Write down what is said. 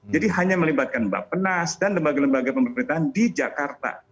jadi hanya melibatkan bapak penas dan lembaga lembaga pemerintahan di jakarta